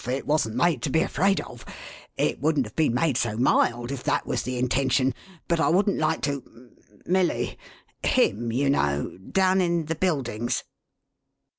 It wasn't made to be afraid of. It wouldn't have been made so mild, if that was the intention. But I wouldn't like to— Milly !— him, you know. Down in the Buildings."